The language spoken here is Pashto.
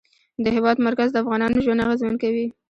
د هېواد مرکز د افغانانو ژوند اغېزمن کوي.